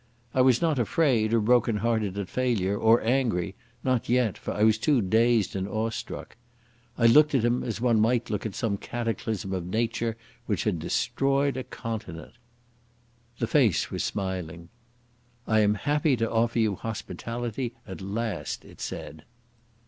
I was not afraid, or broken hearted at failure, or angry—not yet, for I was too dazed and awestruck. I looked at him as one might look at some cataclysm of nature which had destroyed a continent. The face was smiling. "I am happy to offer you hospitality at last," it said.